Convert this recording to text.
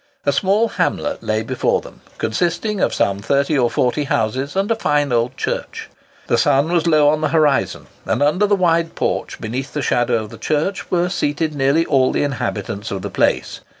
A small hamlet lay before them, consisting of some thirty or forty houses and a fine old church. The sun was low on the horizon, and, under the wide porch, beneath the shadow of the church, were seated nearly all the inhabitants of the place.